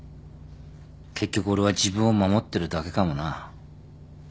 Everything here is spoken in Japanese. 結局俺は自分を守ってるだけかもな。